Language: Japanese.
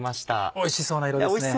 おいしそうですね。